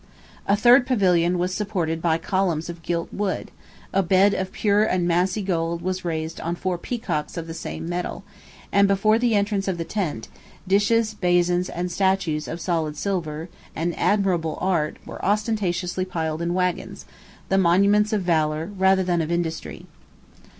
A third pavilion was supported by columns of gilt wood; a bed of pure and massy gold was raised on four peacocks of the same metal: and before the entrance of the tent, dishes, basins, and statues of solid silver, and admirable art, were ostentatiously piled in wagons, the monuments of valor rather than of industry.